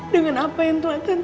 dengan apa yang telah tante